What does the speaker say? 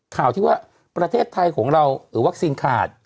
ข่าวที่ว่าประเทศไทยของเราวัคซีนขาด